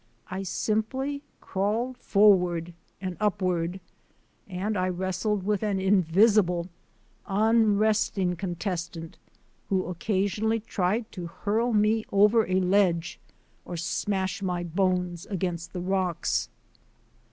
I simply crawled forward and upward. And I wrestled with an invisible, unresting contestant who occasionally tried to hurl me over a ledge or smash my bones against the rocks.